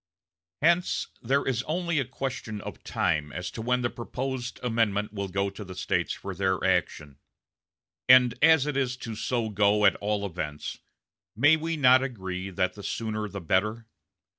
Hence there is only a question of time as to when the proposed amendment will go to the States for their action. And as it is to so go at all events, may we not agree that the sooner the better?